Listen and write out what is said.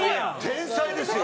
天才ですよ。